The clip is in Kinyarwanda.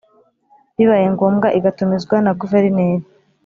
bibaye ngombwa igatumizwa na Guverineri